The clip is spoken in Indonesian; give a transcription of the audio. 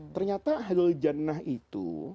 ternyata ahli jannah itu